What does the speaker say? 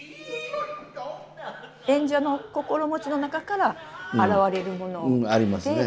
演者の心持ちの中から表れるもの。ありますね。